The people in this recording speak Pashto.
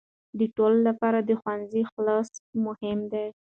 د ټولو لپاره د ښوونې خلوص مهم دی.